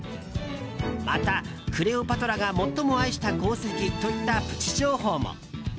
また「クレオパトラが最も愛した鉱石」といったプチ情報も。